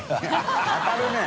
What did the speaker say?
当たるねぇ。